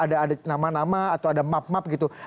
ada nama nama atau ada map map gitu